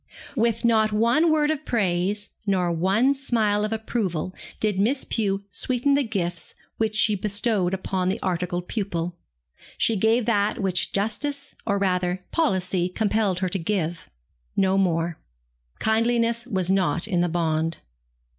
With not one word of praise nor one smile of approval did Miss Pew sweeten the gifts which she bestowed upon the articled pupil. She gave that which justice, or rather policy, compelled her to give. No more. Kindliness was not in the bond.